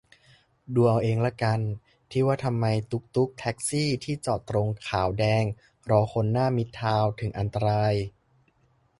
ดูเอาเองละกัน ที่ว่าทำไมตุ๊กตุ๊ก แท็กซี่ ที่จอดตรงขาว-แดง รอคนหน้ามิตรทาวน์ถึงอันตราย